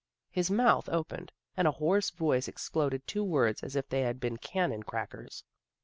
His mouth opened ; and a hoarse voice exploded two words, as if they had been cannon crackers.